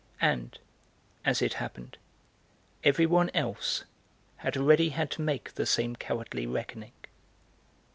And, as it happened, everyone else had already had to make the same cowardly reckoning.